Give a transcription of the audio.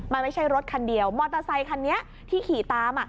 มันไม่ใช่รถคันเดียวมอเตอร์ไซคันนี้ที่ขี่ตาม